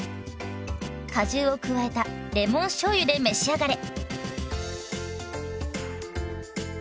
果汁を加えたレモンしょうゆで召し上がれ！